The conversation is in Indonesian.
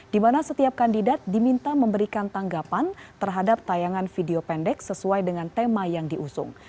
di mana setiap kandidat diminta memberikan tanggapan terhadap tayangan video pendek sesuai dengan tema yang diusung